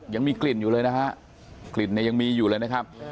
ยังมีกลิ่นอยู่เลยนะฮะกลิ่นเนี่ยยังมีอยู่เลยนะครับ